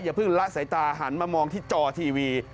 เพิ่งละสายตาหันมามองที่จอทีวี